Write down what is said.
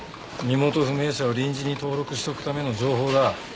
身元不明者を臨時に登録しておくための情報だ。